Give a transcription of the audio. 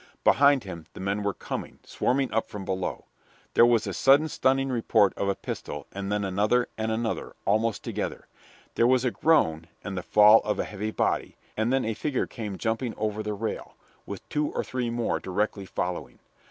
Behind him the men were coming, swarming up from below. There was a sudden stunning report of a pistol, and then another and another, almost together. There was a groan and the fall of a heavy body, and then a figure came jumping over the rail, with two or three more directly following.